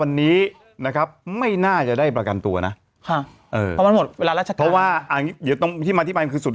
อันนี้ภาพบรรยากาศล่าสุด